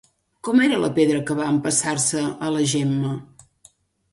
Com era la pedra que va empassar-se a la Gemma?